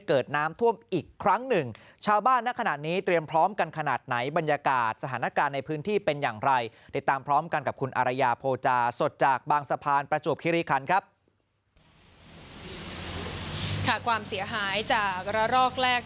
ความเสียหายจากระรอกแรก